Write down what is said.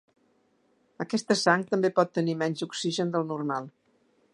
Aquesta sang també pot tenir menys oxigen del normal.